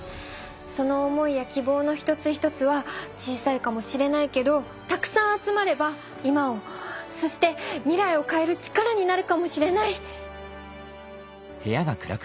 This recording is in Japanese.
その思いやきぼうの一つ一つは小さいかもしれないけどたくさん集まれば「今」をそして「みらい」をかえる力になるかもしれない。